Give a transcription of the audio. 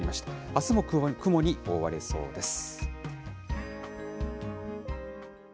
あすも雲に覆われそうです。